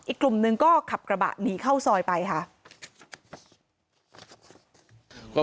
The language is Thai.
อีกกลุ่มหนึ่งก็ขับกระบะหนีเข้าซอยไปค่ะ